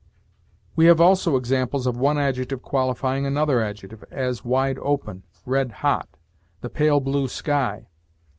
"We have also examples of one adjective qualifying another adjective; as, 'wide open,' 'red hot,' 'the pale blue sky.'